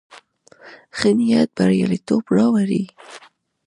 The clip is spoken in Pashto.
ښه نيت برياليتوب راوړي.